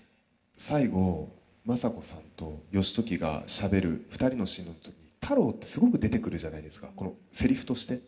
最後政子さんと義時がしゃべる２人のシーンの時太郎ってすごく出てくるじゃないですかセリフとして。